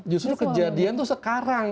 justru kejadian itu sekarang